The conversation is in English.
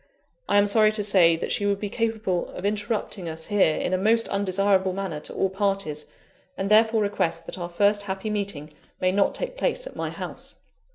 I am sorry to say that she would be capable of interrupting us here, in a most undesirable manner to all parties, and therefore request that our first happy meeting may not take place at my house.